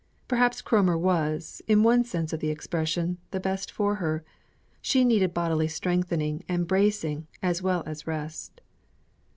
Perhaps Cromer was, in one sense of the expression, the best for her. She needed bodily strengthening and bracing as well as rest.